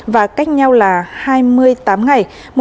và cách nhau là hai mươi tám ngày